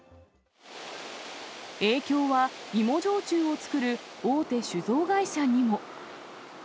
影響は芋焼酎を造る大手酒造会社にも。